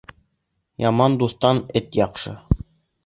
Яман дуҫтан эт яҡшы.